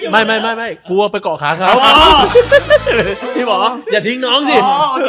พี่หมอเดี๋ยวทิ้งน้องสิ